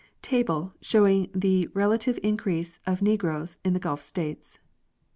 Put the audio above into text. Table showing the relative Increase of Negroes in the Gulf States. 1860.